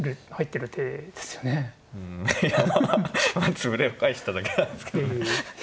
潰れを回避しただけなんですけどね。